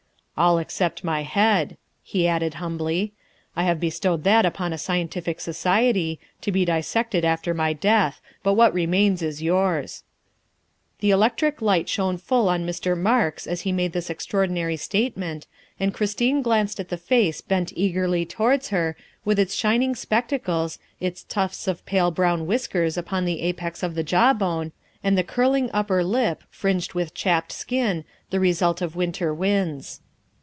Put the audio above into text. "All except my head," he added humbly. " I have bestowed that upon a scientific society, to be dissected after my death, but what remains is yours. '' 324 THE WIFE OF The electric light shone full on Mr. Marks as he made this extraordinary statement, and Christine glanced at the face bent eagerly towards her, with its shining spec tacles, its tufts of pale brown whiskers upon the apex of the jawbone, and the curling upper lip, fringed with chapped skin, the result of winter winds.